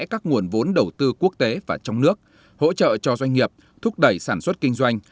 các nguồn vốn đầu tư quốc tế và trong nước hỗ trợ cho doanh nghiệp thúc đẩy sản xuất kinh doanh